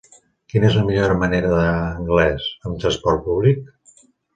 Quina és la millor manera d'anar a Anglès amb trasport públic?